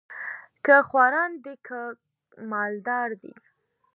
که خواران دي که مال دار دي